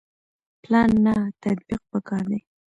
پلان نه تطبیق پکار دی